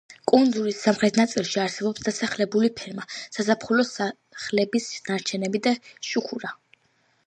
კუნძულის სამხრეთ ნაწილში არსებობს დასახლებული ფერმა, საზაფხულო სახლების ნარჩენები და შუქურა.